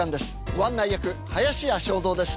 ご案内役林家正蔵です。